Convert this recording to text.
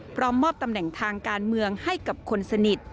พร้อมมอบตำแหน่งทางการเมืองให้กับคนสนิท